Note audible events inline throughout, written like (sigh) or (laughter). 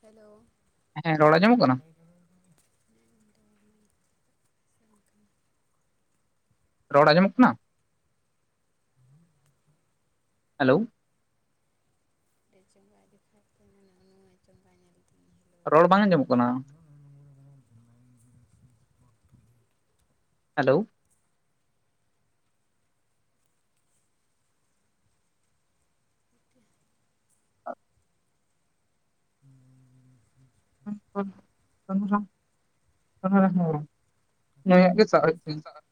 Hello! ᱦᱮᱸ ᱨᱚᱲ ᱟᱸᱡᱚᱢᱚᱜ ᱠᱟᱱᱟ? (unintelligible) ᱚᱸᱰᱮ ᱪᱚᱸᱜᱟ ᱨᱚᱲ ᱟᱸᱡᱚᱢᱚᱜ ᱠᱟᱱᱟ? ᱦᱮᱞᱳ! ᱛᱤᱨᱮ ᱟᱡᱚᱢᱚᱜ ᱠᱷᱟᱡᱽ (unintelligible) (unintelligible) ᱨᱚᱲ ᱵᱟᱝ ᱟᱸᱡᱚᱢᱚᱜ ᱠᱟᱱᱟ? ᱦᱮᱞᱳ! ᱦᱩᱸ (unintelligible) (unintelligible) ᱠᱤᱥᱟᱨ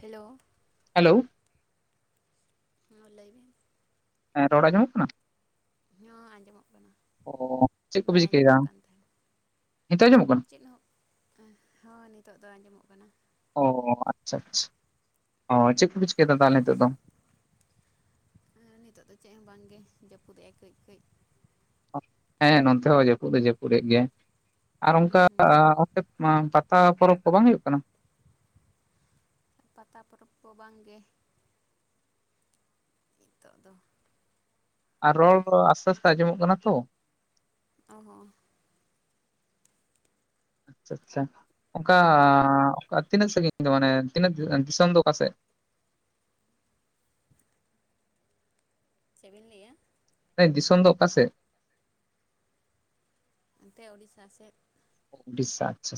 ᱦᱮᱞᱳ? ᱦᱮᱞᱳ! ᱦᱮᱸ ᱞᱟᱹᱭᱵᱤᱱ? ᱦᱮᱸ ᱨᱚᱲ ᱟᱡᱚᱢᱚᱜ ᱠᱟᱱᱟ? ᱦᱚᱸ ᱟᱸᱡᱚᱢᱚᱜ ᱠᱟᱱᱟ᱾ ᱚ ᱪᱮᱫ ᱠᱚᱯᱮ ᱵᱟᱭ ᱪᱤᱠᱟᱹᱭᱮᱫᱟ ᱟᱸᱡᱚᱢᱚᱜ ᱠᱟᱱ ᱛᱟᱦᱮᱸ ᱱᱤᱛᱚᱜ ᱟᱸᱡᱚᱢᱚᱜ ᱠᱟᱱᱟ ᱪᱮᱫ ᱦᱚᱸ᱾ ᱦᱚᱸ ᱱᱤᱛᱚᱜ ᱫᱚ ᱟᱸᱡᱚᱢᱚᱜ ᱠᱟᱱᱟ᱾ ᱚᱻ ᱟᱪᱪᱷᱟ ᱟᱪᱪᱷᱟ ᱚ ᱪᱮᱫ ᱠᱚᱯᱮ ᱪᱤᱠᱟᱹᱭᱟ ᱮᱫᱟ ᱛᱟᱦᱚᱞᱮ ᱱᱤᱛᱚᱜ ᱫᱚ? ᱦᱮᱸᱻᱱᱤᱛᱚᱜ ᱫᱚ ᱪᱮᱫ ᱦᱚᱸ ᱵᱟᱝ ᱜᱮ ᱡᱟᱹᱯᱩᱫ ᱮᱝᱟᱭ ᱠᱟᱹᱡ ᱠᱟᱹᱡ᱾ ᱦᱮᱸ ᱱᱚᱱᱛᱮ ᱦᱚᱸ ᱡᱟᱹᱯᱩᱫ ᱫᱚ ᱡᱟᱹᱯᱩᱫᱫ ᱜᱮ ᱟᱨ ᱦᱩᱸ ᱚᱱᱠᱟ ᱦᱩᱸ ᱯᱟᱛᱟ ᱯᱚᱨᱚᱵᱽ ᱠᱚ ᱵᱟᱝ ᱦᱩᱭᱩᱜ ᱠᱟᱱᱟ? ᱯᱟᱛᱟ ᱯᱚᱨᱚᱵᱽ ᱠᱚ ᱵᱟᱝ ᱜᱮ ᱾ ᱱᱤᱛᱚᱜ ᱫᱚ ᱟᱨ ᱨᱚᱲ ᱟᱥᱛᱮ ᱟᱥᱛᱮ ᱟᱸᱡᱚᱢᱚᱜ ᱠᱟᱱᱟ ᱛᱚ᱾ ᱚ ᱦᱚᱸ ᱟᱪᱪᱷᱟ ᱟᱪᱪᱷᱟ ᱚᱱᱠᱟᱻ ᱛᱤᱱᱟᱹᱜ ᱥᱟᱺᱜᱤᱧ ᱫᱚ, ᱢᱟᱱᱮ ᱛᱤᱱᱟᱹᱜ ᱫᱤᱥᱚᱢ ᱫᱚ ᱚᱠᱟ ᱥᱮᱫ? ᱪᱮᱫᱵᱤᱱ ᱞᱟᱹᱭᱟ ᱦᱚᱸ ᱫᱤᱥᱚᱢ ᱫᱚ ᱚᱠᱟ ᱥᱮᱫ? ᱚᱱᱛᱮ ᱳᱲᱤᱥᱥᱟ ᱥᱮᱫ ᱩᱲᱤᱥᱥᱟ ᱟᱪᱪᱷᱟ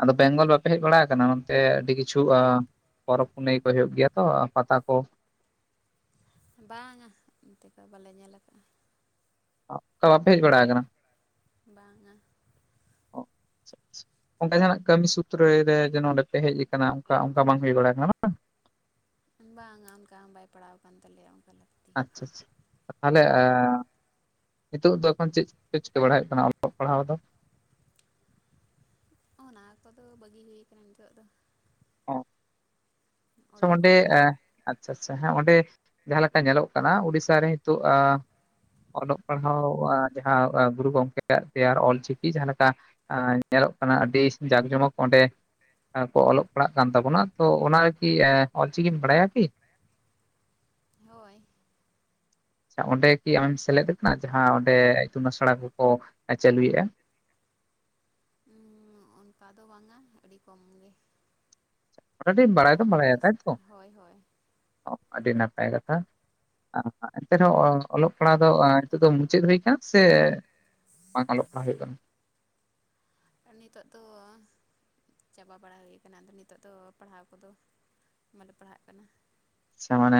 ᱟᱫᱚ ᱵᱮᱝᱜᱚᱞ ᱵᱟᱯᱮ ᱦᱮᱡ ᱵᱟᱲᱟ ᱟᱠᱟᱱᱟ ᱱᱚᱛᱮ ᱟᱹᱰᱤ ᱠᱤᱪᱷᱩ ᱯᱚᱨᱚᱵᱽ ᱯᱩᱱᱟᱹᱭ ᱠᱚ ᱦᱩᱭᱩᱜ ᱜᱮᱭᱟ ᱛᱚ ᱯᱟᱛᱟ ᱠᱚ᱾ ᱵᱟᱝᱼᱟ, ᱚᱱᱛᱮ ᱠᱚ ᱵᱟᱞᱮ ᱧᱮᱞ ᱠᱟᱜᱼᱟ? ᱚ ᱛᱚ ᱵᱟᱯᱮ ᱦᱮᱡ ᱵᱟᱲᱟᱣ ᱠᱟᱱᱟ? ᱵᱟᱝᱟ ᱚ ᱚᱱᱠᱟ ᱡᱟᱦᱟᱱᱟᱜ ᱠᱟᱹᱢᱤ ᱥᱩᱛᱨᱚ ᱨᱮ ᱡᱮ‌ ᱚᱸᱰᱮ ᱯᱮ ᱦᱮᱡ ᱟᱠᱟᱱᱟ ᱚᱱᱠᱟ ᱚᱱᱠᱟ ᱵᱟᱝ ᱦᱩᱭ ᱵᱟᱲᱟ ᱠᱟᱱᱟ ᱵᱟᱝ, ᱵᱟᱝᱟ ᱚᱱᱠᱟ ᱦᱚᱸ ᱵᱟᱭ ᱯᱟᱲᱟᱣ ᱟᱠᱟᱱ ᱛᱟᱞᱮᱭᱟ ᱚᱱᱠᱟ ᱞᱟᱹᱠᱛᱤ ᱾ ᱟᱪᱪᱷᱟ ᱟᱪᱪᱷᱟ ᱛᱟᱦᱚᱞᱮ ᱱᱤᱛᱚᱜ ᱫᱚ ᱮᱠᱷᱚᱱ ᱪᱮᱫ ᱯᱮ ᱪᱤᱠᱟᱹ ᱵᱟᱲᱟᱭᱮᱫ ᱠᱟᱱᱟ ᱚᱞᱚᱜ ᱯᱟᱲᱦᱟᱣ ᱫᱚ? ᱚᱱᱟ ᱠᱚᱫᱚ ᱵᱟᱹᱜᱤ ᱦᱩᱭᱠᱟᱱᱟ ᱱᱤᱛᱚᱜ ᱫᱚ᱾ ᱚ, ᱟᱪᱪᱷᱟ ᱚᱲᱟᱜ ᱚᱸᱰᱮ ᱠᱚᱨᱮ ᱜᱮ ᱟᱪᱪᱷᱟ ᱟᱪᱪᱷᱟ ᱦᱮᱸ ᱚᱸᱰᱮ ᱡᱟᱦᱟᱸᱞᱮ ᱞᱮᱠᱟ ᱧᱮᱞᱚᱜ ᱠᱟᱱᱟ ᱩᱲᱤᱥᱟ ᱨᱮ ᱱᱤᱛᱚᱜ ᱟ ᱚᱞᱚᱜ ᱯᱟᱲᱦᱟᱣ ᱡᱟᱦᱟᱸ ᱜᱩᱨᱩ ᱜᱚᱢᱠᱮᱭᱟᱜ ᱛᱮᱭᱟᱨ ᱚᱞᱪᱤᱠᱤ ᱡᱟᱦᱟᱸ ᱞᱮᱠᱟ ᱧᱮᱞᱚᱜ ᱠᱟᱱᱟ ᱟᱹᱰᱤ ᱡᱟᱠ ᱡᱚᱢᱚᱠ ᱚᱸᱰᱮ ᱠᱚ ᱚᱞᱚᱜ ᱯᱟᱲᱦᱟᱜ ᱠᱟᱱ ᱛᱟᱵᱚᱱᱟ ᱛᱚ ᱚᱱᱟ (unintelligible) ᱚᱞ ᱪᱤᱠᱤᱢ ᱵᱟᱰᱭᱟ ᱠᱤ? ᱦᱳᱭ ᱾ (inaudible) ᱟᱪᱪᱷᱟ ᱚᱸᱰᱮ ᱠᱤ ᱟᱢᱮᱢ ᱥᱮᱞᱮᱫ ᱟᱠᱟᱱᱟ ᱡᱟᱦᱟᱸ ᱚᱸᱰᱮ ᱤᱛᱩᱱ ᱟᱥᱲᱟ ᱠᱚᱠᱚ ᱪᱟᱹᱞᱩᱭᱮᱜᱼᱟ ᱾ ᱚᱱᱠᱟ ᱫᱚ ᱵᱟᱝᱟ ᱟᱹᱰᱤ ᱠᱚᱢ ᱜᱮ, ᱢᱚᱴᱟᱢᱩᱴᱤ ᱵᱟᱲᱟᱭ ᱡᱟᱦᱟᱸ ᱡᱟᱦᱟᱸ ᱛᱤᱥ ᱦᱳᱭ ᱦᱳᱭ᱾ ᱚ, ᱟᱹᱰᱤ ᱱᱟᱯᱟᱭ ᱠᱟᱛᱷᱟ, ᱮᱱᱛᱮ ᱨᱮᱦᱚᱸ ᱚᱞᱚᱜ ᱯᱟᱲᱦᱟᱜ ᱫᱚ ᱱᱤᱛᱚᱜ ᱫᱚ ᱢᱩᱪᱟᱹᱫ ᱦᱩᱭᱩ ᱠᱟᱱᱟ ᱥᱮ ᱵᱟᱝ ᱚᱞᱚᱜ ᱯᱟᱲᱦᱟᱜ ᱦᱩᱭᱩᱜ ᱠᱟᱱᱟ? ᱟᱨ ᱱᱤᱛᱚᱜ ᱫᱚ ᱪᱟᱵᱟ ᱵᱟᱲᱟ ᱦᱩᱭ ᱟᱠᱟᱱᱟ ᱟᱫᱚ ᱱᱤᱛᱚᱜ ᱫᱚ ᱯᱟᱲᱦᱟᱣ ᱠᱚᱫᱚ, ᱵᱟᱞᱮ ᱯᱟᱲᱦᱟᱜ ᱠᱟᱱᱟ ᱾ ᱥᱮ ᱢᱟᱱᱮ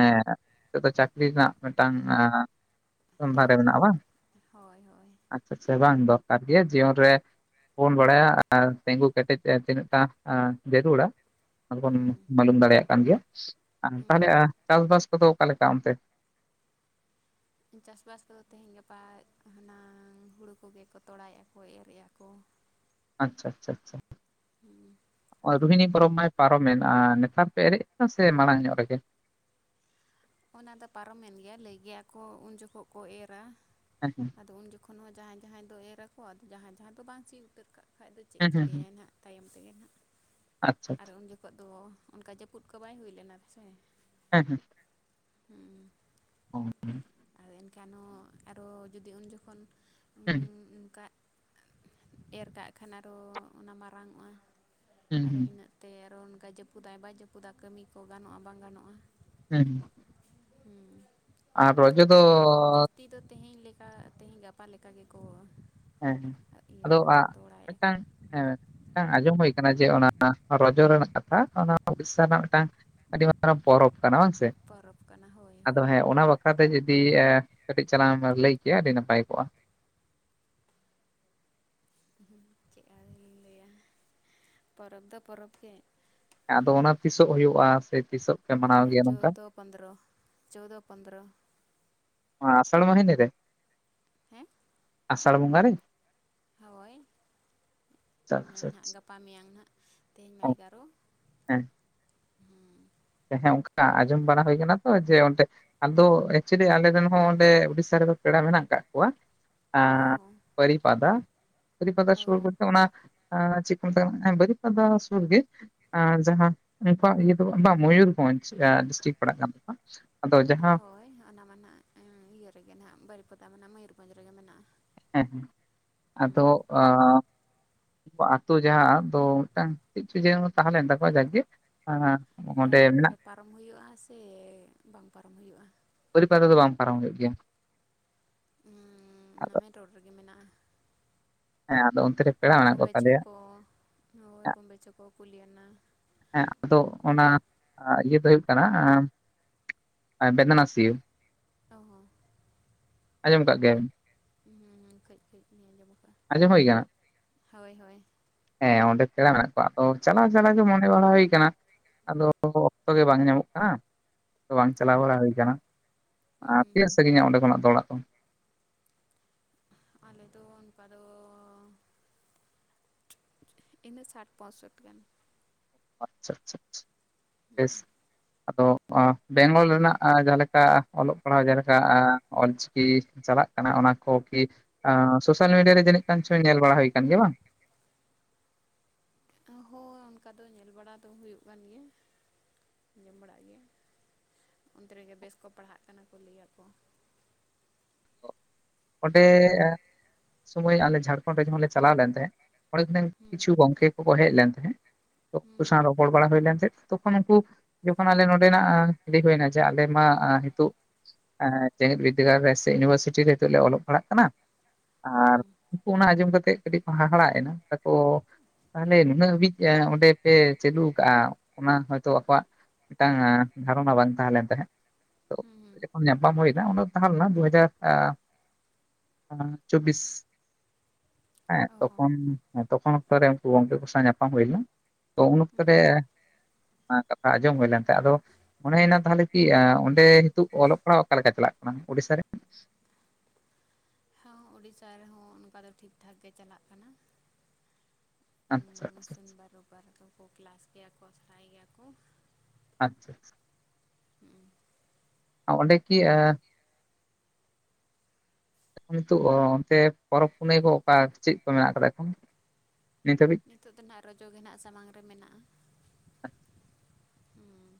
ᱡᱚᱛᱚ ᱪᱟᱹᱠᱨᱤ ᱨᱮᱱᱟᱜ ᱢᱤᱫᱴᱟᱝ ᱟᱸ ᱥᱚᱱᱫᱷᱟ ᱨᱮ ᱦᱳᱭ ᱢᱮᱱᱟᱜᱼᱟ ᱵᱟᱝ, ᱦᱳᱭ ᱦᱳᱭ ᱟᱪᱪᱷᱟ ᱟᱪᱪᱷᱟ ᱵᱟᱝ ᱫᱚᱨᱠᱟᱨ ᱜᱮ ᱡᱤᱭᱚᱱ ᱨᱮ ᱵᱚᱱ ᱵᱟᱲᱟᱭ ᱟᱨ ᱛᱤᱸᱜᱩ ᱠᱮᱴᱮᱡ ᱛᱤᱱᱟᱹᱜᱴᱟᱸ ᱡᱟᱹᱨᱩᱲᱟ, ᱵᱚᱱ ᱦᱩᱸ ᱢᱞᱩᱢ ᱫᱟᱲᱮᱭᱟᱜ ᱠᱟᱱ ᱜᱮᱭᱟ ᱟᱨ ᱛᱟᱦᱞᱮ ᱦᱩᱸ ᱪᱟᱥ ᱵᱟᱥ ᱠᱚᱫᱚ ᱚᱠᱟ ᱞᱮᱠᱟ ᱚᱱᱛᱮ? ᱪᱟᱥ ᱵᱟᱥ ᱫᱚ ᱛᱮᱦᱮᱧ ᱜᱟᱯᱟ ᱦᱩᱟᱱᱟᱹᱝ ᱦᱩᱲᱩ ᱠᱚᱜᱮ ᱠᱚ ᱛᱚᱲᱟᱭᱮᱜᱼᱟ ᱠᱚ, ᱤᱨᱮᱜᱼᱟ ᱠᱚ ᱟᱪᱪᱷᱟ ᱟᱪᱪᱷᱟ ᱟᱪᱪᱷᱟ ᱾ (inaudible) ᱨᱚᱦᱤᱱᱤ ᱯᱚᱨᱚᱵᱽ ᱢᱟᱭ ᱯᱟᱨᱚᱢᱮᱱ ᱟ ᱱᱮᱛᱟᱨ ᱯᱮ ᱮᱨᱮᱫ ᱠᱟᱱᱟ ᱥᱮ ᱢᱟᱲᱟᱝ ᱧᱚᱜ ᱨᱮᱜᱮ? ᱚᱱᱟ ᱫᱚ ᱯᱟᱨᱚᱢᱮᱱ ᱜᱮᱭᱟ ᱞᱟᱹᱭ ᱜᱮᱭᱟ ᱠᱚ ᱩᱱ ᱡᱚᱠᱷᱚᱠ ᱠᱚ ᱮᱨᱟ ᱦᱮᱸ ᱦᱮᱸ ᱟᱫᱚ ᱩᱱ ᱡᱚᱠᱷᱚᱱ ᱦᱚᱸ ᱡᱟᱦᱟᱸᱭ ᱡᱟᱦᱟᱸᱭ ᱫᱚ ᱮᱨ ᱟᱠᱚ ᱟᱫᱚ ᱡᱟᱦᱟᱸᱭ ᱡᱟᱦᱟᱸᱭ ᱫᱚ ᱵᱟᱝ ᱥᱤ ᱩᱛᱟᱹᱨ ᱠᱟᱜ ᱠᱷᱟᱡ ᱫᱚ ᱪᱮᱫ ᱦᱮᱸ ᱦᱮᱸ ᱦᱮᱸ ᱪᱤᱠᱟᱹᱭᱟᱭ ᱱᱟᱸᱦᱜ, ᱛᱟᱭᱚᱢ ᱛᱮᱜᱮ ᱦᱟᱸᱜ ᱟᱪᱪᱷᱟ ᱟᱨ ᱟᱪᱪᱷᱟ, ᱩᱱ ᱡᱚᱠᱷᱚᱜ ᱫᱚ ᱚᱱᱠᱟ ᱡᱟᱹᱯᱩᱫ ᱠᱚ ᱵᱟᱭ ᱦᱩᱭ ᱞᱮᱱᱟ ᱥᱮ᱾ ᱦᱮᱸ ᱦᱮᱸ ᱦᱩᱸ ᱚ, ᱦᱩᱸ ᱟᱨ ᱮᱱᱠᱷᱟᱱ ᱦᱚᱸ ᱟᱨᱚ ᱡᱩᱫᱤ ᱩᱱ ᱡᱚᱠᱷᱚᱱ ᱦᱮᱸ ᱦᱢᱻ ᱚᱱᱠᱟ ᱮᱨ ᱠᱟᱜ ᱠᱷᱟᱱ ᱟᱨᱚ ᱚᱱᱟ ᱢᱟᱨᱟᱝ ᱚᱜᱼᱟ ᱦᱩᱸ ᱟᱨᱚ ᱦᱩᱸ ᱤᱱᱟᱹᱜ ᱛᱮ ᱟᱨᱚ ᱚᱱᱠᱟ ᱡᱟᱹᱯᱩᱫᱟᱭ ᱵᱟᱭ ᱡᱟᱹᱯᱩᱫᱟ ᱠᱟᱹᱢᱤ ᱠᱚ ᱜᱟᱱᱚᱜᱼᱟ ᱵᱟᱝ ᱜᱟᱱᱚᱜᱼᱟ ᱾ ᱦᱩᱸ ᱦᱩᱸ ᱦᱩᱸ ᱫᱚ ᱟᱫᱚ ᱡᱟᱹᱥᱛᱤ ᱫᱚ ᱛᱮᱦᱮᱧ ᱞᱮ ᱠᱟ ᱛᱮᱦᱮᱧ ᱜᱟᱯᱟ ᱞᱮᱠᱟ ᱜᱮᱠᱚ ᱦᱮᱸ ᱦᱮᱸ ᱟᱫᱚ ᱤᱭᱟᱹᱭᱮᱜᱼᱟ ᱟ ᱠᱚ ᱛᱚᱲᱟᱭᱮᱜᱼᱟ ᱠᱚ᱾ ᱢᱤᱫᱴᱟᱝ ᱦᱮᱸ ᱢᱤᱫᱴᱟᱝ ᱟᱸᱡᱚᱢ ᱦᱩᱭ ᱠᱟᱱᱟ ᱡᱮ ᱚᱱᱟ ᱨᱚᱡᱚ ᱨᱮᱱᱟᱜ ᱠᱟᱛᱷᱟ ᱚᱱᱟ ᱩᱲᱤᱥᱟ ᱨᱮᱱᱟᱜ ᱢᱤᱫᱴᱟᱝ ᱟᱹᱰᱤ ᱢᱟᱨᱟᱝ ᱯᱚᱨᱚᱵᱽ ᱠᱟᱱᱟ ᱵᱟᱝ ᱥᱮ ᱯᱚᱨᱚᱵᱽ ᱠᱟᱱᱟ ᱦᱳᱭ ᱟᱫᱚ ᱦᱳᱭ ᱦᱮᱸ ᱚᱱᱟ ᱵᱟᱠᱷᱨᱟ ᱛᱮ ᱡᱩᱫᱤ ᱠᱟᱹᱴᱤᱡ ᱪᱟᱞᱟᱝ ᱮᱢ ᱞᱟᱹᱭ ᱠᱮᱭᱟ ᱟᱹᱰᱤ ᱱᱟᱯᱟᱭ ᱠᱚᱜᱼᱟ ᱾ ᱪᱮᱫ ᱟᱫᱩᱧ ᱞᱟᱹᱭ ᱯᱚᱨᱚᱵᱽ ᱫᱚ ᱯᱚᱨᱚᱵᱽ ᱜᱮ ᱟᱫᱚ ᱚᱱᱟ ᱛᱤᱥᱚᱜ ᱦᱩᱭᱩᱜᱼᱟ ᱥᱮ ᱛᱤᱥᱚᱜ ᱯᱮ ᱟᱸ ᱢᱟᱱᱟᱣ ᱜᱮᱭᱟ ᱱᱚᱝᱠᱟ ᱪᱳᱫᱚ ᱯᱚᱱᱫᱨᱚ, ᱪᱳᱫᱚ ᱯᱚᱱᱫᱨᱚ ᱟᱥᱟᱲ ᱢᱚᱦᱤᱱᱤ ᱨᱮ? ᱦᱮᱸ ᱟᱥᱟᱲ ᱵᱚᱸᱜᱟ ᱨᱮ ᱦᱚᱭ ᱟᱪᱪᱷᱟ ᱱᱮ ᱟᱪᱪᱷᱟ ᱱᱟᱜ ᱟᱪᱪᱷᱟ ᱜᱟᱯᱟ ᱢᱮᱭᱟᱝ ᱱᱟᱜ ᱛᱮᱦᱮᱧ ᱢᱟ ᱚ ᱮᱜᱟᱨᱚ ᱦᱮᱸ ᱦᱮᱸ ᱚᱱᱠᱟ ᱟᱸᱡᱚᱢ ᱵᱟᱲᱟ ᱦᱩᱭ ᱟᱠᱟᱱᱟ ᱛᱚ ᱡᱮ ᱚᱰᱮ ᱟᱫᱚ ᱮᱠᱪᱩᱭᱮᱞᱤ ᱟᱞᱮ ᱨᱮᱱ ᱦᱚᱸ ᱚᱸᱰᱮ ᱩᱰᱤᱥᱟ ᱨᱮᱫᱚ ᱯᱮᱲᱟ ᱢᱮᱱᱟᱜ ᱠᱟᱜ ᱠᱚᱣᱟ ᱟ ᱚ ᱦᱚᱸ ᱵᱟᱨᱤᱯᱟᱫᱟ ᱵᱟᱨᱤᱯᱟᱫᱟ ᱚ ᱥᱩᱨ ᱦᱚᱸ ᱨᱮᱜᱮ ᱚᱱᱟ ᱮ ᱪᱮᱫ ᱠᱚ ᱢᱮᱛᱟᱜ ᱟ ᱵᱟᱨᱤᱯᱟᱫᱟ ᱥᱩᱨ ᱜᱮ ᱡᱟᱦᱟᱸ ᱩᱱᱠᱩᱣᱟᱜ ᱤᱭᱟᱹ ᱫᱚ ᱵᱟᱝ ᱢᱚᱭᱩᱨᱵᱷᱚᱸᱧᱡᱽ ᱰᱤᱥᱴᱤᱠ ᱯᱟᱲᱟᱜ ᱠᱟᱱ ᱛᱟᱠᱚᱣᱟ ᱟᱫᱚ ᱡᱟᱦᱟᱸ ᱦᱳᱭ ᱚᱱᱟ ᱢᱟ ᱱᱟᱜ ᱤᱭᱟᱹ ᱨᱮᱜᱮ ᱱᱟᱜ ᱵᱟᱹᱨᱤᱯᱟᱫᱟ ᱢᱟᱱᱮ ᱢᱚᱭᱩᱨᱵᱷᱚᱸᱡᱽ ᱨᱮᱜᱮ ᱢᱮᱱᱟᱜᱼᱟ ᱦᱮᱸ ᱦᱮᱸ ᱟᱫᱚ ᱦᱮᱸ ᱟ ᱟᱛᱳ ᱡᱟᱦᱟᱸ ᱫᱚ ᱢᱤᱫᱴᱟᱝ ᱪᱮᱫ ᱡᱮᱱᱚ ᱛᱟᱦᱮᱸ ᱞᱮᱱ ᱛᱟᱠᱚᱣᱟ ᱡᱟᱠᱜᱮ ᱮ ᱵᱟᱨᱤᱯᱟᱫᱟ ᱫᱚ ᱯᱟᱨᱚᱢ ᱦᱩᱭᱩᱜᱼᱟ ᱥᱮ ᱵᱟᱝ ᱯᱟᱨᱚᱢ ᱦᱩᱭᱩᱜᱼᱟ ᱵᱟᱹᱨᱤᱯᱟᱫᱟ ᱫᱚ ᱵᱟᱝ ᱯᱟᱨᱚᱢ ᱦᱩᱭᱩᱜ ᱜᱮᱭᱟ ᱦᱩᱸ ᱚᱱᱟ ᱟᱫᱚ ᱢᱮᱱ ᱨᱳᱰ ᱨᱮᱜᱮ ᱢᱮᱱᱟᱜᱼᱟ ᱦᱮᱸ ᱟᱫᱚ ᱚᱱᱛᱮ ᱨᱮ ᱯᱮᱲᱟ ᱢᱮᱱᱟᱜ ᱠᱚ ᱵᱳᱢᱵᱮ ᱛᱟᱞᱮᱭᱟ ᱪᱷᱳᱠᱚ ᱦᱳᱭ ᱵᱳᱢᱵᱮ ᱪᱷᱚᱠᱚ ᱠᱩᱞᱤᱭᱟᱱᱟ ᱦᱮᱸ ᱟᱫᱚ ᱚᱱᱠᱟ ᱚᱱᱟ ᱤᱭᱟᱹ ᱫᱚ ᱦᱩᱭᱩᱜ ᱠᱟᱱᱟ ᱮ ᱵᱮᱫᱟᱱᱟ ᱥᱤᱭᱟ. ᱚ ᱦᱚᱸ ᱟᱸᱡᱚᱢ ᱠᱟᱫ ᱜᱮᱭᱟ ᱵᱤᱱ ᱦᱩ ᱠᱟᱹᱡᱼ ᱠᱟᱹᱡ ᱤᱧ ᱟᱸᱡᱚᱢ ᱟᱠᱟᱜᱼᱟ ᱟᱸᱡᱚᱢ ᱦᱩᱭ ᱠᱟᱱᱟ ᱦᱚᱭ ᱦᱚᱭ ᱦᱮᱸ ᱚᱸᱰᱮ ᱯᱮᱲᱟ ᱢᱮᱱᱟᱜ ᱠᱚᱣᱟ ᱟᱫᱚ ᱪᱟᱞᱟᱣ ᱪᱟᱞᱟᱣ ᱜᱮ ᱢᱚᱱ ᱦᱳᱭ ᱠᱟᱱᱟ ᱟᱫᱚ ᱚᱠᱛᱚ ᱜᱮ ᱵᱟᱝ ᱧᱟᱢᱚᱜ ᱠᱟᱱᱟ ᱵᱟᱝ ᱪᱟᱞᱟᱣ ᱵᱟᱲᱟ ᱦᱳᱭᱛᱚ ᱦᱳᱭᱠᱟᱱᱟ ᱟᱨ ᱦᱩᱸ ᱛᱤᱱᱟ. ᱜ ᱥᱟᱺᱜᱤᱧᱟ ᱚᱸᱰᱮ ᱠᱷᱚᱱᱟᱜ ᱫᱚ ᱚᱲᱟᱜ ᱫᱚ ᱟᱞᱮᱫᱚ ᱚᱱᱠᱟ ᱫᱚ ᱤᱱᱟᱹ ᱥᱟᱴ ᱯᱚᱸᱭᱥᱚᱴ ᱜᱟᱱ ᱟᱪᱪᱷᱟ ᱟᱪᱪᱷ ᱪᱷᱟ ᱵᱮᱥ ᱟᱫᱚ ᱟᱸ ᱵᱮᱝᱜᱚᱞ ᱨᱮᱱᱟᱜ ᱮ ᱡᱟᱦᱟᱞᱮ ᱠᱟ ᱚᱞᱚᱜ ᱯᱟᱲᱦᱟᱣ ᱡᱮᱞᱮᱠᱟ ᱚᱞᱪᱤᱠᱤ ᱪᱟᱞᱟᱜ ᱠᱟᱱᱟ ᱚᱱᱟ ᱠᱚ ᱠᱤ ᱟᱸ ᱥᱳᱥᱟᱞ ᱢᱤᱰᱤᱭᱟ ᱨᱮ ᱡᱟᱹᱱᱤᱡ ᱠᱷᱟᱱ ᱪᱚ ᱧᱮᱞ ᱵᱟᱲᱟ ᱦᱳᱭ ᱠᱟᱱ ᱜᱮᱭᱟ ᱵᱟᱝ ᱦᱚᱸ ᱚᱱᱠᱟ ᱫᱚ ᱧᱮᱞ ᱵᱟᱲᱟ ᱫᱚ ᱦᱩᱭᱩᱜ ᱠᱟᱱ ᱜᱮᱭᱟ ᱟᱸᱡᱚᱢ ᱵᱟᱲᱟᱜ ᱜᱮᱭᱟ ᱚᱱᱛᱮ ᱨᱮᱜᱮ ᱵᱮᱥ ᱠᱚ ᱯᱟᱲᱦᱟᱜ ᱠᱟᱱᱟ ᱠᱚ ᱞᱟᱹᱭᱟᱠᱚ ᱚᱸᱰᱮ ᱮ ᱥᱳᱢᱚᱭ ᱟᱞᱮ ᱡᱷᱟᱲᱠᱷᱚᱸᱰ ᱨᱮ ᱡᱚᱠᱷᱚᱱ ᱞᱮ ᱪᱟᱞᱟᱣ ᱞᱮᱱ ᱛᱟᱦᱮᱸᱫ ᱚᱸᱬᱮ ᱠᱷᱩᱱᱟᱝ ᱦᱩᱸ ᱠᱤᱪᱷᱩ ᱜᱚᱝᱠᱮ ᱠᱚᱠᱚ ᱦᱮᱡ ᱞᱮᱱ ᱛᱟᱦᱮᱸᱜ ᱛᱚ ᱩᱱᱠᱩ ᱦᱩᱸ ᱥᱟᱣ ᱨᱚ ᱨᱚᱯᱚᱲ ᱵᱟᱲᱟ ᱦᱩᱭᱞᱮᱱ ᱛᱟᱦᱮᱱ ᱛᱚᱠᱷᱚᱱ ᱩᱱᱠᱩ ᱡᱚᱠᱷᱚᱱ ᱟᱞᱮ ᱱᱚᱸᱰᱮᱱᱟᱜ ᱮ ᱞᱟ. ᱭ ᱦᱩᱭᱱᱟ ᱡᱮ ᱟᱞᱮ ᱢᱟ ᱦᱤᱛᱳᱜ ᱮ ᱡᱮᱜᱮᱫ ᱵᱤᱫᱽᱫᱟᱹᱜᱟᱲ ᱨᱮ ᱥᱮ ᱤᱭᱩᱱᱤᱵᱷᱟᱨᱥᱤᱴᱤ ᱨᱮ ᱱᱤᱛᱚᱜ ᱞᱮ ᱚᱞᱚᱜ ᱯᱟᱲᱦᱟᱜ ᱠᱟᱱᱟ ᱟᱨ ᱦᱩᱸ ᱩᱱᱠᱩ ᱚᱱᱟ ᱟᱸᱡᱚᱢ ᱠᱟᱛᱮᱜ ᱠᱟᱹᱴᱤᱡ ᱠᱚ ᱦᱟᱦᱟᱲᱟᱜᱱᱟ ᱛᱟᱠᱚ ᱛᱟᱦᱚᱞᱮ ᱱᱩᱱᱟᱹᱜ ᱦᱟᱹᱵᱤᱡ ᱮ ᱚᱸᱰᱮ ᱯᱮ ᱪᱟᱹᱞᱩ ᱠᱟᱜᱼᱟ ᱚᱱᱟ ᱦᱚᱭᱛᱚ ᱟᱠᱚᱣᱟᱜ ᱢᱤᱫᱴᱟᱝ ᱮ ᱫᱷᱟᱨᱚᱱᱟ ᱵᱟᱝ ᱛᱟᱦᱮᱞᱮᱱ ᱛᱟᱦᱮᱸᱫ ᱛᱚ ᱦᱩᱸ ᱦᱩᱸ ᱡᱚᱠᱷᱚᱱ ᱧᱟᱯᱟᱢ ᱦᱩᱭᱱᱟ ᱚᱱᱟ ᱫᱚ ᱛᱟᱦᱮᱸᱞᱮᱱᱟ ᱫᱩ ᱦᱟᱡᱟᱨ ᱮ ᱮ ᱪᱚᱵᱽᱵᱤᱥ ᱦᱮᱸ ᱚ ᱦᱚᱸ ᱛᱚᱠᱷᱚᱱ ᱦᱮᱸ ᱛᱚᱠᱷᱚᱱ ᱚᱠᱛᱚ ᱨᱮ ᱩᱱᱠᱩ ᱜᱚᱝᱠᱮ ᱠᱚ ᱥᱟᱸᱣ ᱧᱟᱯᱟᱢ ᱦᱩᱭᱞᱮᱱᱟ ᱛᱚ ᱩᱱ ᱦᱩᱸ ᱚᱠᱛᱚᱨᱮ ᱦᱩᱸ ᱚᱱᱟ ᱠᱟᱛᱷᱟ ᱟᱸᱡᱚᱢ ᱦᱩᱭ ᱞᱮᱱ ᱛᱟᱦᱮᱸ ᱟᱫᱚ ᱢᱚᱱᱮᱦᱩᱭᱱᱟ ᱛᱟᱦᱞᱮ ᱠᱤ ᱚᱸᱰᱮ ᱱᱤᱛᱚᱜ ᱚᱞᱚᱜ ᱯᱟᱲᱦᱟᱜ ᱚᱠᱟ ᱞᱮᱠᱟ ᱪᱟᱞᱟᱜ ᱠᱟᱱᱟ ᱳᱲᱤᱥᱥᱟ ᱨᱮ ᱦᱚ ᱳᱲᱤᱥᱥᱟ ᱨᱮᱦᱚᱸ ᱚᱱᱠᱟ ᱫᱚ ᱴᱷᱤᱠ ᱴᱷᱟᱠ ᱜᱮ ᱪᱟᱞᱟᱜ ᱠᱟᱱᱟ ᱟᱪᱪᱷᱟ ᱩ ᱟᱪᱪᱷᱟ ᱥᱳᱢᱵᱟᱨ ᱨᱳᱵᱵᱟᱨ ᱨᱮᱫᱚ ᱠᱚ ᱠᱞᱟᱥ ᱜᱮᱭᱟ ᱠᱚ ᱟᱥᱲᱟᱭ ᱜᱮᱭᱟ ᱠᱚ ᱟᱪᱪᱷᱟ ᱪᱷᱟ ᱦᱩᱸ ᱚᱸᱰᱮ ᱠᱤ ᱮ ᱱᱤᱛᱚᱜ ᱚᱱᱛᱮ ᱯᱚᱨᱚᱵᱽ ᱯᱩᱱᱟᱹᱭ ᱠᱚ ᱚᱠᱟ ᱪᱮᱫ ᱠᱚ ᱢᱮᱱᱟᱜ ᱠᱟᱫᱟ ᱮᱠᱷᱚᱱ ᱱᱤᱛ ᱦᱟᱹᱵᱤᱡ ᱱᱤᱛᱳᱜ ᱫᱚ ᱱᱟᱜ ᱨᱚᱡᱚ ᱜᱮ ᱱᱟᱜ ᱥᱟᱢᱟᱝ ᱨᱮ ᱢᱮᱱᱟᱜᱼᱟ ᱩᱸ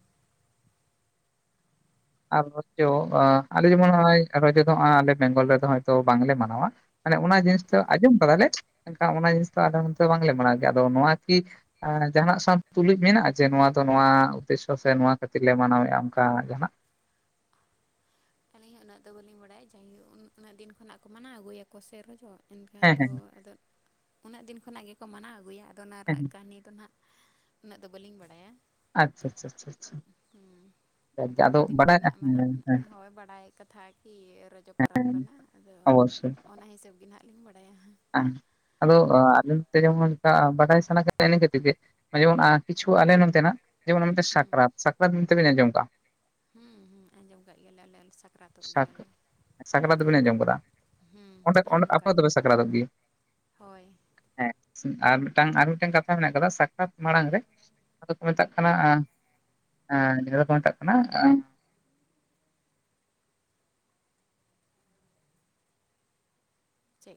ᱟᱨ ᱨᱪᱚ (unintelligible) ᱟᱞᱮ ᱡᱮᱢᱚᱱ ᱱᱚᱜᱼᱚᱭ ᱨᱚᱡᱚ ᱫᱚᱜᱚᱭ ᱟᱞᱮ ᱵᱮᱝᱜᱚᱞ ᱨᱮᱫᱚ ᱦᱚᱭᱛᱚ ᱵᱟᱝᱞᱮ ᱢᱟᱱᱟᱣᱟ᱾ ᱢᱟᱱᱮ ᱚᱱᱟ ᱡᱤᱱᱤᱥ ᱫᱚ ᱦᱩᱸ ᱟᱸᱡᱚᱢ ᱠᱟᱫᱟᱞᱮ, ᱮᱱᱠᱷᱟᱱ ᱚᱱᱟ ᱡᱤᱱᱤᱥ ᱫᱚ ᱟᱞᱮ ᱱᱚᱛᱮ ᱵᱟᱝᱞᱮ ᱢᱟᱱᱟᱣ ᱜᱮᱭᱟ ᱟᱫᱚ ᱱᱚᱣᱟ ᱠᱤᱼᱼ ᱡᱟᱦᱱᱟᱜ ᱥᱟᱸᱶ ᱛᱩᱞᱩᱡ ᱢᱮᱱᱟᱜᱼᱟ, ᱡᱮ ᱱᱚᱣᱟ ᱫᱚ ᱱᱚᱣᱟ ᱩᱫᱽᱮᱥᱥᱚ ᱥᱮ ᱱᱚᱣᱟ ᱠᱷᱟᱹᱛᱤᱨ ᱞᱮ ᱢᱟᱱᱟᱣᱮᱫᱼᱟ ᱚᱝᱠᱟ ᱡᱟᱦᱱᱟᱜᱼᱼ ᱟᱹᱞᱤᱧ ᱦᱚᱸ ᱩᱱᱟᱹᱜ ᱫᱚ ᱵᱟᱹᱞᱤᱧ ᱵᱟᱲᱟᱭᱟ, ᱡᱟᱭᱦᱳ ᱩᱱᱟᱹᱜ ᱫᱤᱱ ᱠᱷᱚᱱᱟᱜ ᱠᱚ ᱢᱟᱱᱟᱣ ᱟᱹᱜᱩᱭᱟᱠᱚ ᱥᱮ ᱨᱚᱡᱚᱼᱼ ᱮᱱᱠᱷᱟᱱ ᱦᱮᱸ ᱫᱚ ᱦᱮᱸ ᱟᱫᱚ, ᱩᱱᱟᱹᱜ ᱫᱤᱱ ᱠᱷᱚᱱᱟᱜ ᱜᱮᱠᱚ ᱢᱟᱱᱟᱣ ᱟᱹᱜᱩᱭᱟ ᱟᱫᱚ ᱚᱱᱟ ᱦᱮᱸ ᱨᱮᱱᱟᱜ ᱠᱟᱹᱦᱱᱤ ᱫᱚ ᱱᱟᱜᱼᱼ ᱩᱱᱟᱹᱜ ᱫᱚ ᱵᱟᱹᱞᱤᱧ ᱵᱟᱲᱟᱭᱟ᱾ ᱟᱪᱪᱷᱟ ᱟᱪᱪᱷᱟ ᱟᱪᱪᱷᱟ ᱟᱪᱪᱷᱟ ᱦᱩᱸ ᱟᱫᱚ ᱡᱟᱭᱜᱟ ᱤᱱᱟᱹᱜ ᱫᱤᱱ ᱵᱟᱰᱟᱭ ᱠᱷᱚᱱᱟᱜ ᱢᱟᱱᱟᱣ ᱦᱮᱸ ᱦᱮᱱᱟᱜ ᱦᱮᱸ (unintelligible) ᱦᱚᱲ ᱵᱟᱲᱟᱭ ᱠᱟᱛᱷᱟ ᱠᱤ ᱨᱚᱡᱚ ᱯᱟᱨᱟᱵᱽ ᱠᱟᱱᱟ ᱟᱫᱚ, ᱚᱱᱟ ᱦᱤᱥᱟᱹᱵᱽ ᱜᱮ ᱱᱟᱦᱟᱜ ᱞᱤᱧ ᱵᱟᱲᱟᱭᱟ ᱦᱟᱸᱜ᱾ (unintelligible) ᱦ ᱟᱫᱚ ᱟ ᱡᱮᱢᱚᱱ ᱵᱟᱰᱟᱭ ᱥᱟᱱᱟ ᱤᱱᱟᱹᱛ ᱜᱮ ᱡᱮᱢᱚᱱ ᱠᱤᱪᱷᱩ ᱟᱞᱮ ᱱᱚᱛᱮᱱᱟᱜ, ᱡᱮᱢᱚᱱ ᱢᱤᱫᱴᱮᱱ ᱥᱟᱠᱨᱟᱛ, ᱥᱟᱠᱨᱟᱛ ᱢᱮᱱᱛᱮᱵᱮᱱ ᱟᱸᱡᱚᱢ ᱠᱟᱜᱼᱟ? ᱦᱩᱸ ᱦᱩᱸ ᱟᱸᱡᱚᱢ ᱠᱟᱜ ᱜᱮᱭᱟᱞᱮ ᱥᱟᱠᱨᱟᱛᱚᱜ ᱥᱟᱠ ᱜᱮᱭᱟᱞᱮ᱾ ᱥᱟᱠᱨᱟᱛ ᱵᱤᱱ ᱟᱸᱡᱚᱢ ᱦᱩᱸ ᱟᱸᱡᱚᱢ ᱠᱟᱞᱮᱧ ᱟ (unintelligible) (unintelligible) ᱦᱮᱸ ᱟᱨ ᱢᱤᱫᱴᱟᱝ ᱟᱨ ᱢᱤᱫᱴᱟᱝ ᱠᱟᱛᱷᱟ ᱢᱮᱱᱟᱜ ᱟᱠᱟᱫᱟ ᱥᱟᱠᱨᱟᱛ ᱢᱟᱲᱟᱝ ᱨᱮᱼᱼ ᱚᱱᱟ ᱫᱚᱠᱚ ᱢᱮᱛᱟᱜ ᱠᱟᱱᱟ, ᱡᱟᱦᱟᱸ ᱫᱚᱠᱚ ᱢᱮᱛᱟᱜ ᱠᱟᱱᱟ ᱪᱮᱫ